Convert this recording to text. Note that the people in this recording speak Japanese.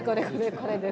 これです。